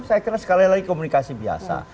saya kira sekali lagi komunikasi biasa